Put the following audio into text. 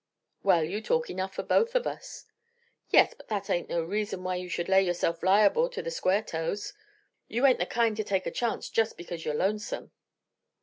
"Well, you talk enough for both of us." "Yes, but that ain't no reason why you should lay yourself liable to the 'square toes.' You ain't the kind to take a chance just because you're lonesome."